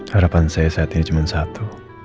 harapan saya saat ini cuma satu